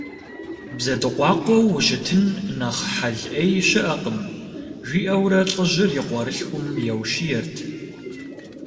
Бзэ дыкъуакъуэу ущытын нэхъ хьэл Ӏей щыӀэкъым, – жиӀэурэ лӀыжьыр и къуэрылъхум еущиерт.